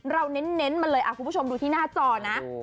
เน้นมาเลยคุณผู้ชมดูที่หน้าจอนะ